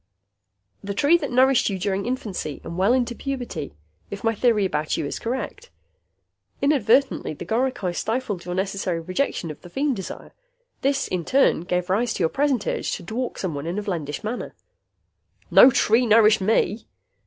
"The tree that nourished you during infancy, and well into puberty, if my theory about you is correct. Inadvertently, the goricae stifled your necessary rejection of the feem desire. This in turn gave rise to your present urge to dwark someone in a vlendish manner." "No tree nourished me."